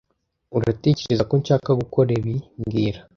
Uratekereza ko nshaka gukora ibi mbwira